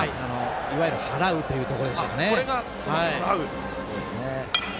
いわゆる払うというところでしょうね。